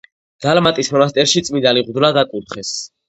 დალმატის მონასტერში წმინდანი მღვდლად აკურთხეს.